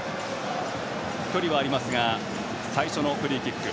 距離はありますが最初のフリーキック。